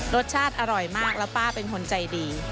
รสชาติอร่อยมากแล้วป้าเป็นคนใจดี